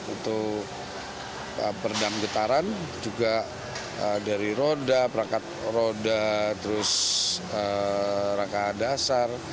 untuk peredam getaran juga dari roda perangkat roda terus rangka dasar